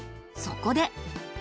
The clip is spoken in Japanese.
そこで。